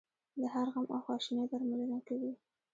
د هر غم او خواشینۍ درملنه کوي.